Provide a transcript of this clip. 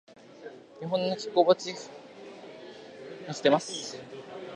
日本の気候は、地域ごとに大きく異なる多様性に満ちています。